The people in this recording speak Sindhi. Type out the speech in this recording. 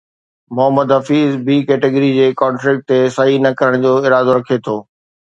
محمد حفيظ بي ڪيٽيگري جي ڪانٽريڪٽ تي صحيح نه ڪرڻ جو ارادو رکي ٿو